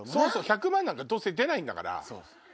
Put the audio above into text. １００万なんかどうせ出ないから。